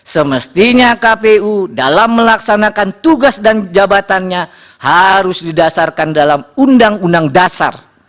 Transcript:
semestinya kpu dalam melaksanakan tugas dan jabatannya harus didasarkan dalam undang undang dasar